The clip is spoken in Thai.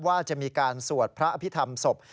ว่าจะมีการสวดพระอภิษฐรรมศพ